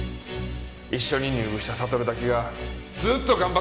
一緒に入部したサトルだけがずーっと頑張っとった。